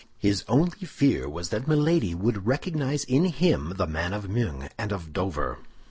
His only fear was that Milady would recognize in him the man of Meung and of Dover.